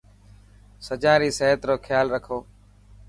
سجان ري صحت روخيال رکو.